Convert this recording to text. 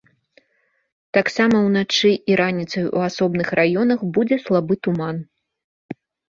Таксама ўначы і раніцай у асобных раёнах будзе слабы туман.